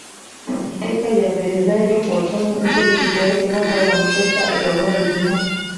iteka rya perezida n ryo ku wa cumi nzeri rishyiraho ikigo ngororamuco cya iwawa rigiha